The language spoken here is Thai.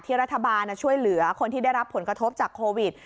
รัฐบาลช่วยเหลือคนที่ได้รับผลกระทบจากโควิด